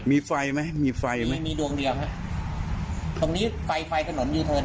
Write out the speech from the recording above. มีไฟไหมมีไฟไหมมีมีดวงเดียวไหมตรงนี้ไฟไฟขนมอยู่เถิด